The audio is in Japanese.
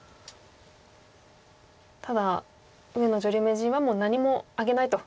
ただ上野女流名人はもう何もあげないと。